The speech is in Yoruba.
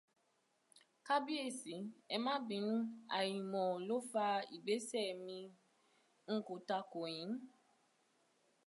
Kábìyésí ẹ má bínú, àìmọ̀ ló fa ìgbésẹ̀ mi, n kò takò yín.